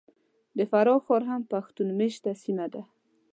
د فراه ښار هم پښتون مېشته سیمه ده .